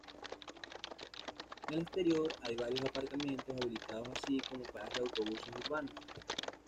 En el exterior hay varios aparcamientos habilitados así como paradas de autobuses urbanos.